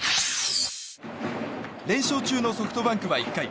連勝中のソフトバンクは１回。